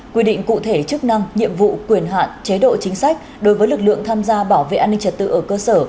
quy định cụ thể chức năng nhiệm vụ quyền hạn chế độ chính sách đối với lực lượng tham gia bảo vệ an ninh trật tự ở cơ sở